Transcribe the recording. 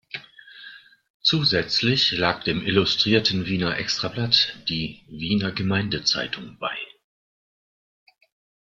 Zusätzlich lag dem Illustrirten Wiener Extrablatt die "Wiener Gemeinde-Zeitung" bei.